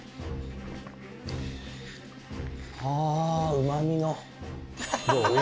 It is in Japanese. うま味の。